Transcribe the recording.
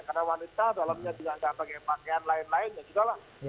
karena wanita dalamnya juga tidak pakai pakaian lain lain